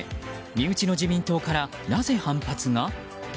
身内の自民党から、なぜ反発が？